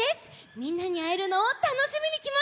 みんなにあえるのをたのしみにきました。